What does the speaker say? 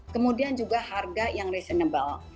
kemudian juga harga yang reasonable